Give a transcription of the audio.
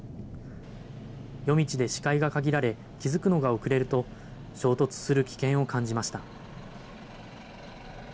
夜道で視界が限られ、気付くのが遅れると、衝突する危険を感じました。